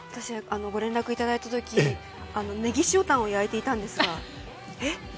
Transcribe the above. ご連絡いただいた時ネギ塩タンを焼いていたんですがえ？